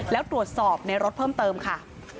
แล้วตรวจสอบในรถเพิ่มเติมค่ะ